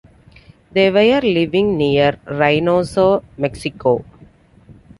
They were living near Reynosa, Mexico.